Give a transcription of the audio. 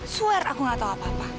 swear aku gak tahu apa apa